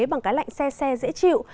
bằng cái lạnh xe xe dễ chịu